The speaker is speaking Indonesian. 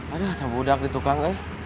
aduh tak mudah aku ditukang ya